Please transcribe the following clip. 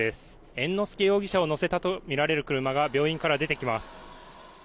猿之助容疑者を乗せたとみられる車が病院から出てきます。